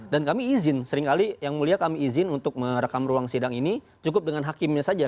dan kami izin seringkali yang mulia kami izin untuk merekam ruang sidang ini cukup dengan hakimnya saja